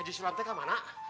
ya si sulam teh kemana